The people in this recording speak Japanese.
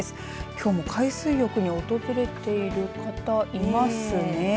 きょうも海水浴に訪れている方いますね。